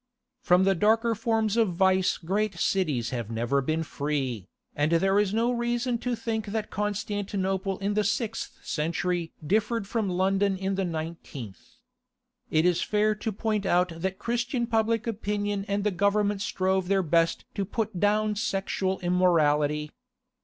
From the darker forms of vice great cities have never been free, and there is no reason to think that Constantinople in the sixth century differed from London in the nineteenth. It is fair to point out that Christian public opinion and the Government strove their best to put down sexual immorality.